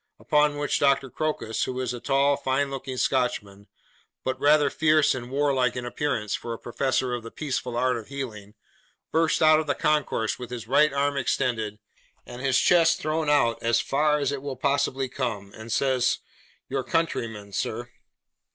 Upon which Doctor Crocus, who is a tall, fine looking Scotchman, but rather fierce and warlike in appearance for a professor of the peaceful art of healing, bursts out of the concourse with his right arm extended, and his chest thrown out as far as it will possibly come, and says: 'Your countryman, sir!